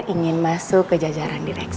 ingin masuk ke jajaran direksi